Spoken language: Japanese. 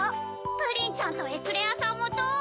プリンちゃんとエクレアさんもどう？